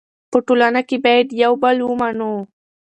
په ټولنه کې باید یو بل ومنو.